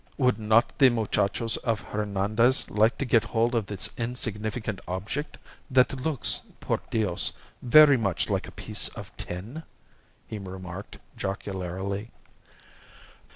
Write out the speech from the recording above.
"Would not the muchachos of Hernandez like to get hold of this insignificant object, that looks, por Dios, very much like a piece of tin?" he remarked, jocularly.